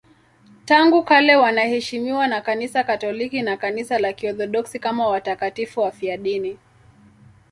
Tangu kale wanaheshimiwa na Kanisa Katoliki na Kanisa la Kiorthodoksi kama watakatifu wafiadini.